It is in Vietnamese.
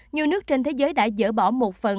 nhiều nước trên thế giới đã dỡ bỏ một phần